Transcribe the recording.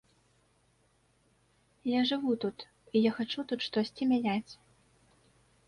Я жыву тут і я хачу тут штосьці мяняць.